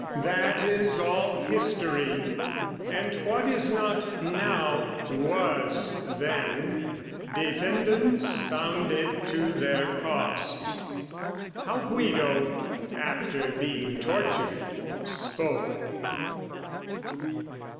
That is all history: and what is not now, Was then, defendants found it to their cost. How Guido, after being tortured, spoke.